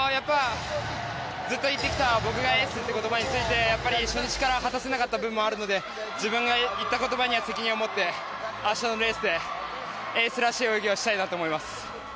ずっと言ってきた僕がエースという言葉について初日から果たせなかった部分もあるので自分が言った言葉には責任を持って、明日のレースでエースらしい泳ぎをしたいなと思います。